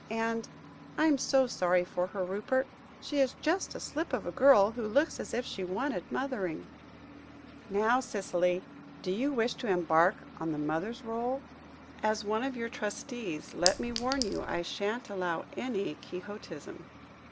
And I'm so sorry for her, Rupert; she is just a slip of a girl, who looks as if she wanted mothering." "Now, Cicely, do you wish to embark on the mother's rôle? As one of your trustees, let me warn you I shan't allow any quixotism."